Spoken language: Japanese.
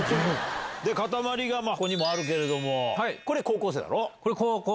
かたまりがここにもあるけれどもこれ高校生だろ？